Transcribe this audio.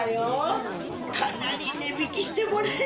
かなり値引きしてもらえそう。